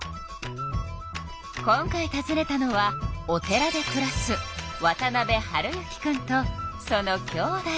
今回たずねたのはお寺でくらす渡辺温之くんとそのきょうだい。